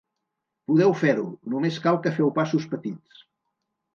Podeu fer-ho. Només cal que feu passos petits.